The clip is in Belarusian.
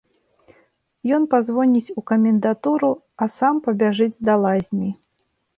Ён пазвоніць у камендатуру, а сам пабяжыць да лазні.